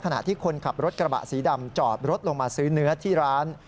ขณะที่คนขับรถกระบะสีดำจอดรถลงมาซื้อเนื้อที่ร้าน